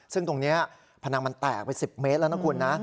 ซึ่งตรงนี้พนังมันแตกไป๑๐เมตรแล้วนะคุณนะ